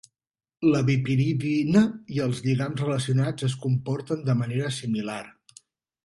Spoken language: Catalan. La bipiridina i els lligams relacionats es comporten de manera similar.